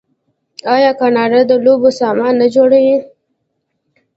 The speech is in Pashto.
آیا کاناډا د لوبو سامان نه جوړوي؟